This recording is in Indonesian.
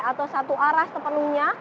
atau satu arah sepenuhnya